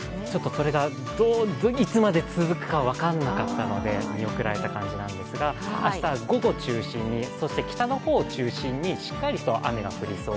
それがいつまで続くか分からなかったので見送られたんですが、明日は午後中心に、そして北の方を中心にしっかりと雨が降りそう。